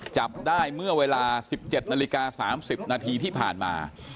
จับได้เมื่อเวลา๑๗นาฬิกา๓๐นาทีที่ผ่านมา